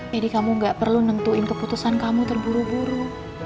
jadi kamu gak perlu nentuin keputusan kamu terburu buru